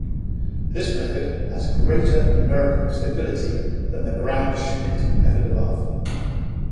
This method has greater numerical stability than the Gram-Schmidt method above.